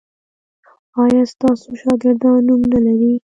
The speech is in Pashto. ایا ستاسو شاګردان نوم نلري؟